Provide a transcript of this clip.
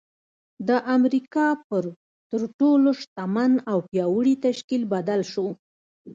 د امريکا پر تر ټولو شتمن او پياوړي تشکيل بدل شو.